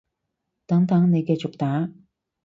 等等，你繼續打